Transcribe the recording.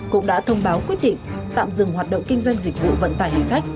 cũng đã thông báo quyết định tạm dừng hoạt động kinh doanh dịch vụ vận tải hành khách